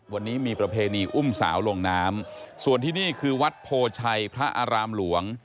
วันนี้มีประเพณีอุ้มสาวลงน้ำส่วนที่นี่คือวัดโพชัยพระอารามหลวง